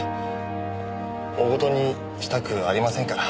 大ごとにしたくありませんから。